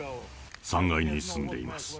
３階に住んでいます。